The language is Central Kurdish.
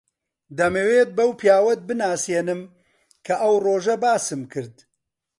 دەمەوێت بەو پیاوەت بناسێنم کە ئەو ڕۆژە باسم کرد.